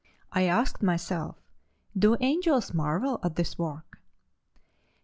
I asked myself: 'Do angels marvel at this work?